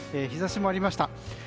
日差しもありました。